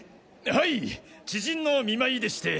はい知人の見舞いでして。